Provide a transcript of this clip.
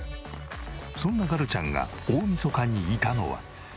そんなガルちゃんが大晦日にいたのは。